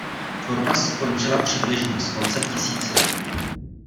Tvorba skončila přibližně s koncem tisíciletí.